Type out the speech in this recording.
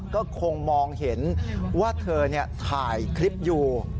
ก็คงมองเห็นว่าเธอถ่ายคลิปอยู่